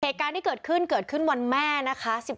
เหตุการณ์ที่เกิดขึ้นเกิดขึ้นวันแม่นะคะ